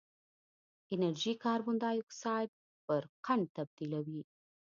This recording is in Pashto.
انرژي کاربن ډای اکسایډ پر قند تبدیلوي.